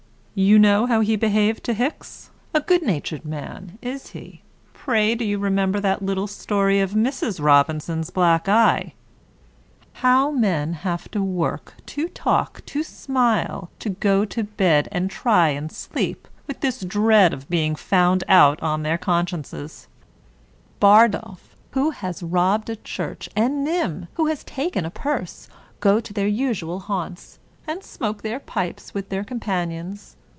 You know how he behaved to Hicks? A good natured man, is he? Pray do you remember that little story of Mrs. Robinson's black eye? How men have to work, to talk, to smile, to go to bed, and try and sleep, with this dread of being found out on their consciences 1 Bardolph, who has robbed a church, and Nym, who has taken a purse, go to their usual haunts, and smoke their pipes with their companions.